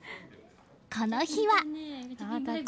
この日は。